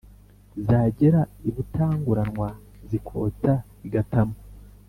zagera i butanguranwa zikotsa i gatamu.